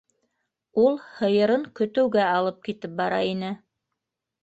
Ул һыйырын көтөүгә алып китеп бара ине.